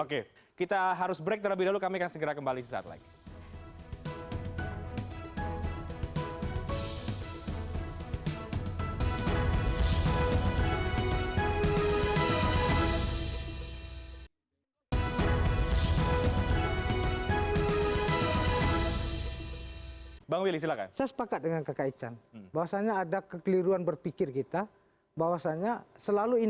oke kita harus break terlebih dahulu